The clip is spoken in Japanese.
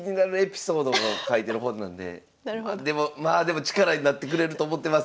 でもまあでも力になってくれると思ってます。